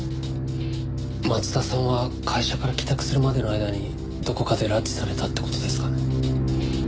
松田さんは会社から帰宅するまでの間にどこかで拉致されたって事ですかね。